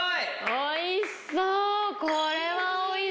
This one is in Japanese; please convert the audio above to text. おいしそう！